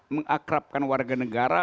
mengakrabkan warga negara